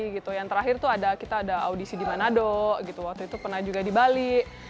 akhirnya kita ada audisi di manado waktu itu pernah juga di bali